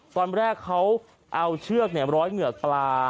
ตอนแรกเขาเอาเชือกร้อยเหงือกปลา